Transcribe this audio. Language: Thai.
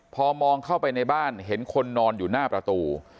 พอมองเข้าไปในบ้านเห็นคนนอนอยู่หน้าประตู